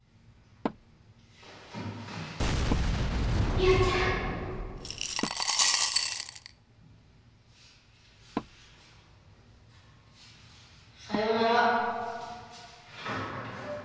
雄ちゃん！さようなら。